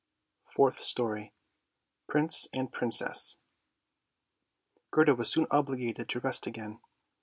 FOURTH STORY PRINCE AND PRINCESS Gerda was soon obliged to rest again.